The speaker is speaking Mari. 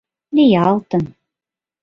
— Лиялтын...